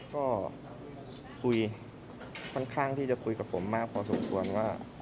ก็คุยค่อนข้างที่จะคุยกับผมมากพอสมควรว่า